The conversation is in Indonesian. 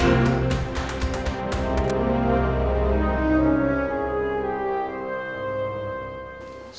bagaimana ini dengan murid